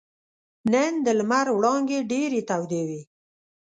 نن د لمر وړانګې ډېرې تودې وې.